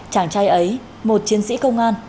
chàng trai ấy một chiến sĩ công an